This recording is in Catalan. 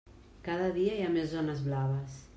Cada dia hi ha més zones blaves.